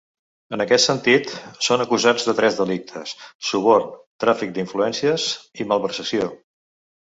En aquest sentit, són acusats de tres delictes: suborn, tràfic d’influències i malversació.